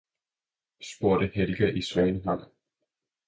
« spurgte Helga i Svaneham.